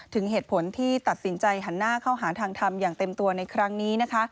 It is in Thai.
ถึงเหตุผลที่ตัดสินใจหันหน้าเข้าหาทางทำอย่างเต็มตัวในครั้งนี้นะคะ